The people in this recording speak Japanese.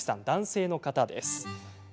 男性の方です。